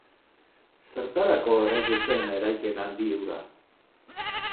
Zertarako eraiki zen eraikin handi hura?